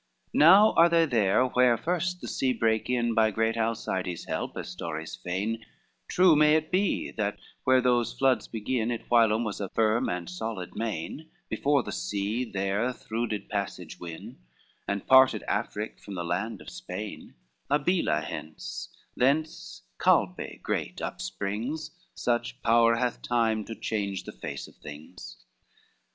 XXII Now are they there, where first the sea brake in By great Alcides' help, as stories feign, True may it be that where those floods begin It whilom was a firm and solid main Before the sea there through did passage win And parted Afric from the land of Spain, Abila hence, thence Calpe great upsprings, Such power hath time to change the face of things.